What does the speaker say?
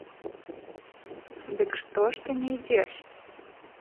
Дык што ж ты не ідзеш!